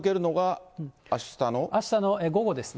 あしたの午後ですね。